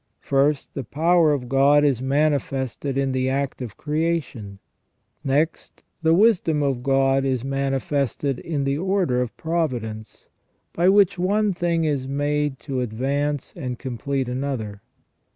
First the power of God is manifested in the act of creation ; next the wisdom of God is manifested in the order of providence, by which one thing is made to advance and complete another.